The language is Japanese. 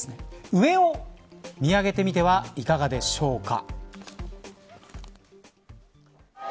上を見上げてみてはいかがでしょうか。